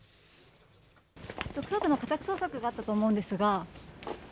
特捜部の家宅捜索があったと思うんですが。